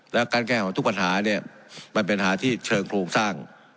แล้วการแก้ของทุกปัญหาเนี่ยมันเป็นปัญหาที่เชิงโครงสร้าง